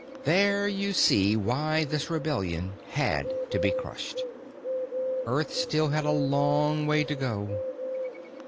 There you see why this rebellion had to be crushed. Earth still had a long way to go.